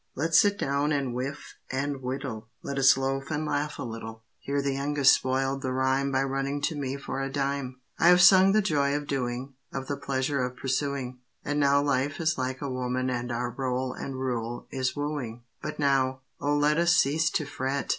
Let's sit down and whiff and whittle, Let us loaf and laugh a little. (Here the youngest spoiled the rime By running to me for a dime.) I have sung the joy of doing, Of the pleasure of pursuing, And how life is like a woman and our role and rule is wooing, But now, O let Us cease to fret!